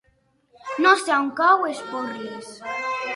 No sé on cau Esporles.